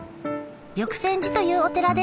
緑泉寺というお寺です。